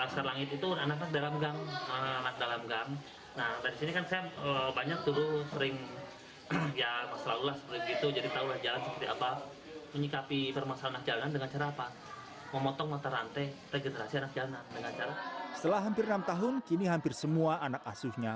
setelah hampir enam tahun kini hampir semua anak asuhnya